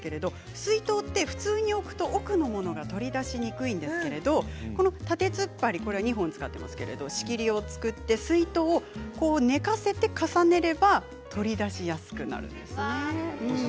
水筒って普通に置くと奥のものが取り出しにくいんですけれども縦つっぱり２本使っていますけど仕切りを作って、水筒を寝かせて重ねれば取り出しやすくなるんですよね。